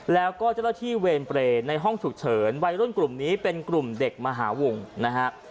แล้วก็เจ้าหน้าที่เวรเปรย์ในห้องฉุกเฉินวัยรุ่นกลุ่มนี้เป็นกลุ่มเด็กมหาวงนะฮะ